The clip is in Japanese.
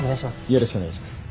よろしくお願いします。